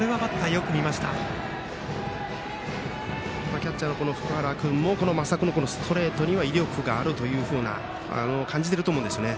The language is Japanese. キャッチャーの福原君もこの升田君のストレートには威力があると感じていると思うんですよね。